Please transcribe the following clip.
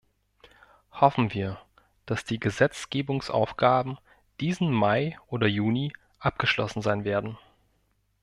Hoffen wir, dass die Gesetzgebungsaufgaben diesen Mai oder Juni abgeschlossen sein werden.